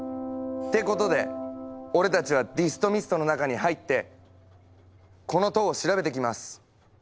ってことで俺たちはディストミストの中に入ってこの塔を調べてきます！」